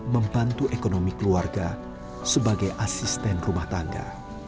membantu ekonomi keluarga sebagai asisten rumah tangga